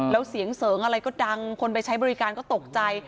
แล้วเสียงเสริงอะไรก็ดังคนไปใช้บริการก็ตกใจ